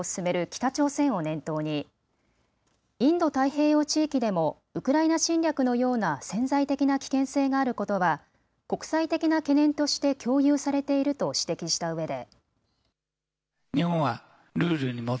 北朝鮮を念頭にインド太平洋地域でもウクライナ侵略のような潜在的な危険性があることは国際的な懸念として共有されていると指摘したうえで。